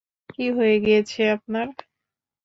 কী হয়ে গিয়েছে আপনার?